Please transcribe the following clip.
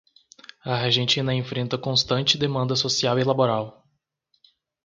A Argentina enfrenta constante demanda social e laboral.